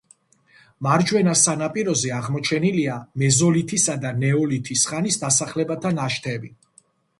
მარჯვენა სანაპიროზე აღმოჩენილია მეზოლითისა და ნეოლითის ხანის დასახლებათა ნაშთები.